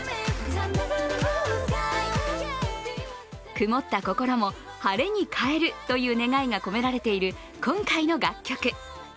曇った心も晴れに変えるという願いが込められている、今回の楽曲。